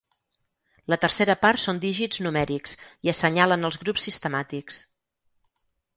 La tercera part són dígits numèrics i assenyalen els grups sistemàtics.